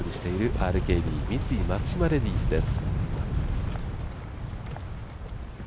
ＲＫＢ×三井松島レディスです。